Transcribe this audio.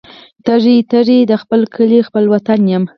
تږي، تږي د خپل کلي خپل وطن یم